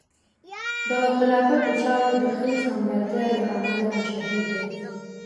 د خلافت د چارو د ښې سمبالتیا له امله مشهور دی.